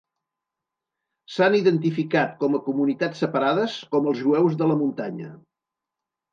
S'han identificat com a comunitats separades, com els jueus de la muntanya.